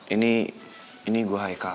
ini ini gue haikal